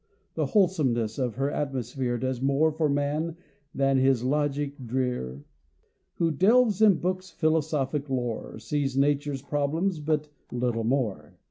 The wholesomeness of her atmosphere Does more for man than his logic drear. Who delves in books' philosophic lore, Sees nature's problems but little more.